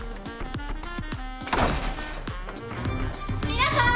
皆さーん！